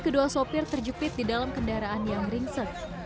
kedua sopir terjepit di dalam kendaraan yang ringsek